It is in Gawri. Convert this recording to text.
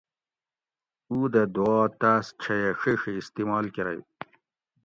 اُو دہ دوا تاس چھیہ ڛیڛی استعمال کرئ